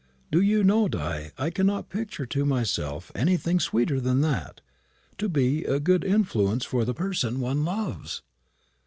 Do you know, Di, I cannot picture to myself anything sweeter than that to be a good influence for the person one loves.